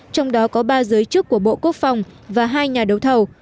trong đó có ba giới chức của bộ quốc phòng và hai nhà đấu thầu